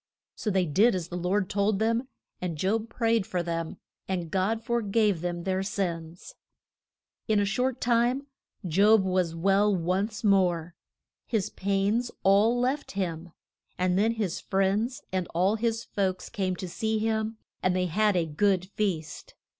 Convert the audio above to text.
So they did as the Lord told them, and Job prayed for them, and God for gave them their sins. In a short time Job was well once more. His pains all left him; and then his friends and all his folks came to see him and they had a good feast.